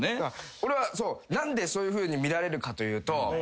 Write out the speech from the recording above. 俺は何でそういうふうに見られるかというと。